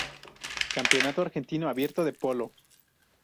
Campeonato Argentino Abierto de Polo